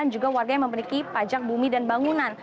dan juga warga yang memiliki pajak bumi dan bangunan